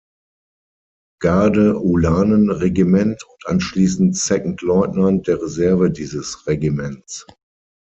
Garde-Ulanen-Regiment und anschließend Secondeleutnant der Reserve dieses Regiments.